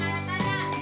terima kasih pak hendrik